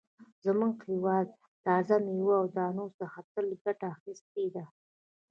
زموږ هېواد د تازه مېوو او دانو څخه تل ګټه اخیستې ده.